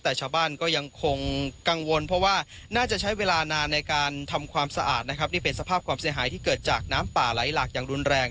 แต่ชาวบ้านก็ยังคงกังวลเพราะว่าน่าจะใช้เวลานานในการทำความสะอาดนะครับนี่เป็นสภาพความเสียหายที่เกิดจากน้ำป่าไหลหลากอย่างรุนแรง